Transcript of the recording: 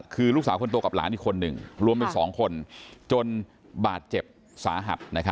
คือลูกสาวคนโตกับหลานอีกคนหนึ่งรวมเป็น๒คนจนบาดเจ็บสาหัส